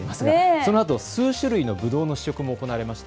そのあと数種類のぶどうの試食も行われました。